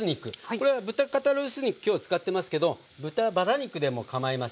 これは豚肩ロース肉今日使ってますけど豚バラ肉でもかまいません。